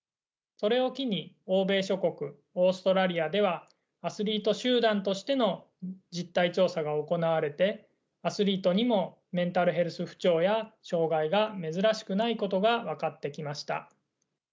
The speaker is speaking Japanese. それを機に欧米諸国オーストラリアではアスリート集団としての実態調査が行われてアスリートにもメンタルヘルス不調や障害が珍しくないことが分かってきました。